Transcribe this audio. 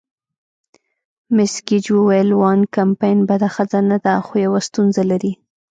مس ګیج وویل: وان کمپن بده ښځه نه ده، خو یوه ستونزه لري.